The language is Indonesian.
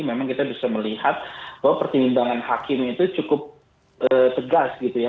memang kita bisa melihat bahwa pertimbangan hakim itu cukup tegas gitu ya